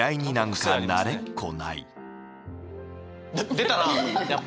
出たな！